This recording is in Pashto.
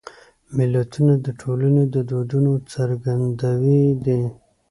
متلونه د ټولنې د دودونو څرګندوی دي